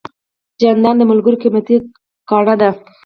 جانداد د ملګرو قیمتي ګاڼه ده.